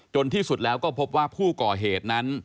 ที่สุดแล้วก็พบว่าผู้ก่อเหตุนั้น